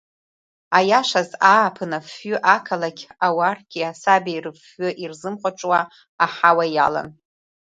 Аиашаз, ааԥын афҩы ақалақь ауарқьи асабеи рыфҩы ирзымхәаҽуа аҳауа иалан.